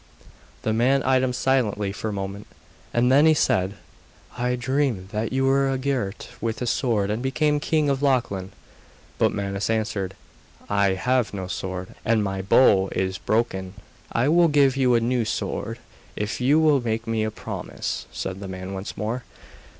The man eyed him silently for a moment, and then he said: 'I dreamed that you were girt with a sword and became king of Lochlann.' But Manus answered: 'I have no sword and my bow is broken.' 'I will give you a new sword if you will make me a promise,' said the man once more.